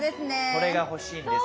それが欲しいんです。